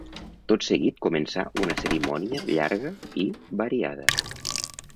Tot seguit començà una cerimònia llarga i variada.